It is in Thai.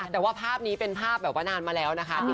แต่ว่าภาพนี้เป็นภาพเยอะมาแล้วนะคะ